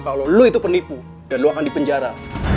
kalau lo itu penipu dan lu akan dipenjara